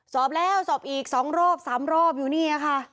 สอบแล้วสอบอีก๒รอบ๓รอบอยู่นี่ค่ะ